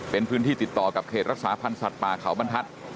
เป็นพื้นที่ติดต่อกับเขตรักษาพันธ์สัตว์ป่าเขาบรรทัศน์